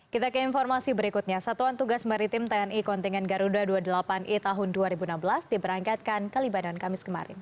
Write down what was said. kita ke informasi berikutnya satuan tugas maritim tni kontingen garuda dua puluh delapan i tahun dua ribu enam belas diberangkatkan ke libanon kamis kemarin